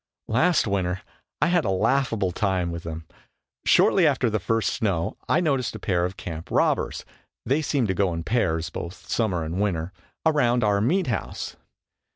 Last winter I had a laughable time with them. Shortly after the first snow I noticed a pair of camp robbers they seem to go in pairs both summer and winter around our meat house.